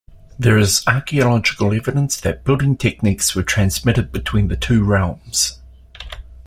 There is archaeological evidence that building techniques were transmitted between the two realms.